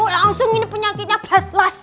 langsung ini penyakitnya plus